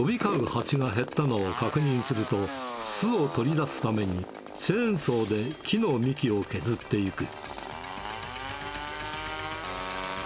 ハチが減ったのを確認すると、巣を取り出すためにチェーンソーで木の幹を削っていく。